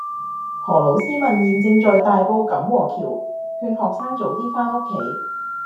何老師問現正在大埔錦和橋勸學生早啲返屋企